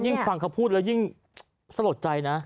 โหยิ่งฟังเขาพูดแล้วยิ่งสะดดใจนะ